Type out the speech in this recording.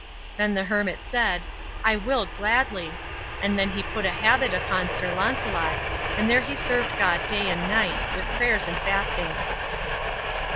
Then the hermit said, "I will gladly;" and then he put a habit upon Sir Launcelot, and there he served God day and night, with prayers and fastings.